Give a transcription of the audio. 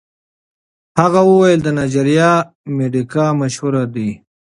هغه وویل د نایجیریا مډیګا مشهور دی.